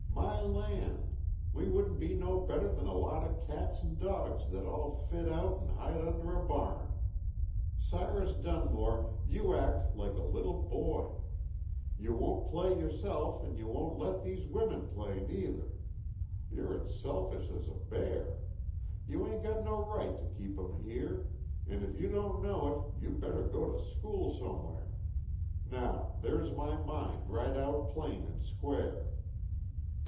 "My land! we wouldn't be no better than a lot o' cats an' dogs that's all fit out an' hid under a barn! Cyrus Dunmore, you act like a little boy. You won't play yerself an' ye won't let these women play nuther. You're as selfish as a bear. You 'ain't got no right t' keep 'em here, an' if you don't know it you better go t' school somewhere. Now there's my mind right out plain an' square."